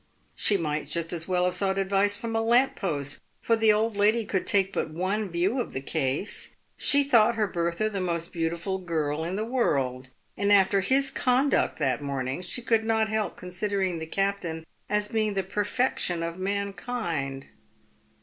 She might just as well have sought advice from a lamp post, for the old lady could take but one view of the case. She thought her Bertha the most beautiful girl in the world, and after his conduct that morning, she could not help considering the captain as being the perfection of mankind.